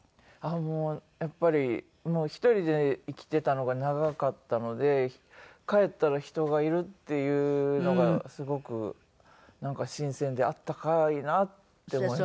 もうやっぱり１人で生きていたのが長かったので帰ったら人がいるっていうのがすごくなんか新鮮で温かいなって思います。